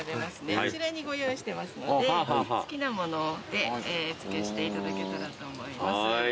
そちらにご用意してますので好きなもので絵付けしていただけたらと思います。